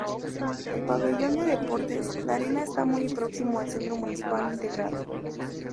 El pabellón de Deportes La Arena está muy próximo al Centro Municipal Integrado.